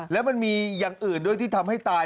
แล้วมันมีอย่างอื่นด้วยที่ทำให้ตาย